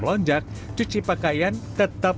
melonjak cuci pakaian tetap